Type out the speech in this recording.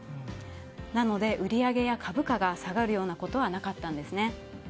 なので、売り上げや株価が下がるようなことはなかったんですね。